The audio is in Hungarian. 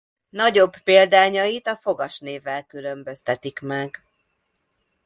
Nagyobb példányait a fogas névvel különböztetik meg.